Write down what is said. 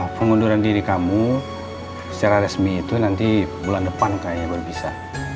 pengunduran diri kamu secara resmi itu nanti bulan depan kayaknya baru bisa